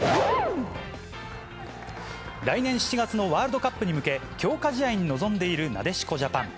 来年７月のワールドカップに向け、強化試合に臨んでいるなでしこジャパン。